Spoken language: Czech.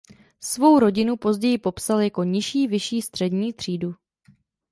Svou rodinu později popsal jako „nižší vyšší střední třídu“.